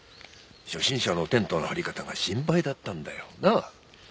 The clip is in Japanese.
初心者のテントの張り方が心配だったんだよ。なあ？